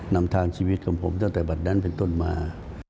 นำทางชีวิตของผมตั้งแต่บัตรนั้นเป็นต้นมา